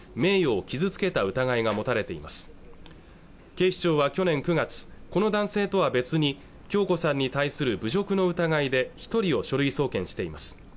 警視庁は去年９月この男性とは別に響子さんに対する侮辱の疑いで一人を書類送検しています